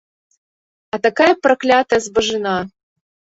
А такая праклятая збажына!